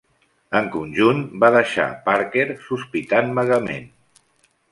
En conjunt va deixar Parker sospitant vagament.